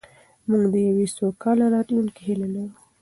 موږ د یوې سوکاله راتلونکې هیله لرو.